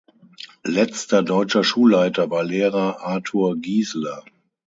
Letzter deutscher Schulleiter war Lehrer "Arthur Gieseler".